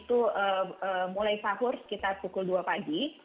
pada saat musim panas itu mulai sahur sekitar pukul dua pagi